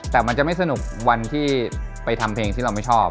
แต่มันจะไม่สนุกวันที่ไปทำเพลงที่เราไม่ชอบ